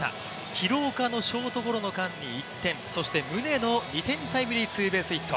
廣岡のショートゴロの間に１点そして宗の２点タイムリーツーベースヒット。